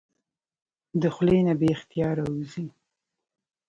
د خلې نه بې اختياره اوځي